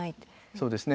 そうですね。